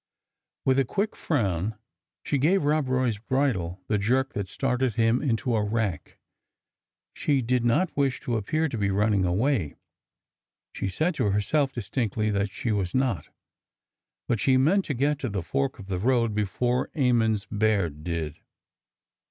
With a quick frown she gave Rob Roy's bridle the jerk that started him into a rack. She did not wish to appear to be running away, — she said to herself distinctly that she was not,— but she meant to get to the fork of the road before Emmons Baird did.